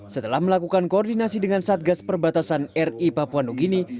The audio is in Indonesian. setelah melakukan koordinasi dengan satgas perbatasan ri papua nugini